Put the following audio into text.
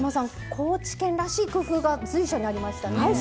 高知県らしい工夫が随所にありましたね。